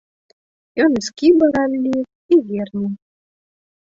Ён і скіба раллі, і зерне.